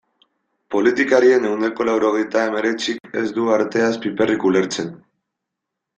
Politikarien ehuneko laurogeita hemeretzik ez du arteaz piperrik ulertzen.